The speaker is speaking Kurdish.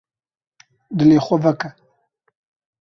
Dilê xwe veke.